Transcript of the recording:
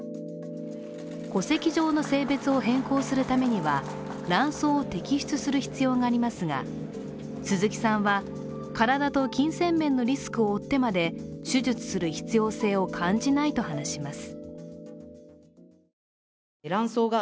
戸籍上の性別を変更するためには卵巣を摘出する必要がありますが鈴木さんは体と金銭面のリスクを負ってまで手術する必要性を感じないと話します。